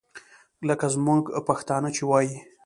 لکه زموږ پښتانه چې وایي.